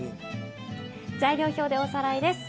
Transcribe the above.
材料表でおさらいです。